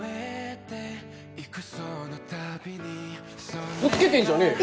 カッコつけてんじゃねえよ。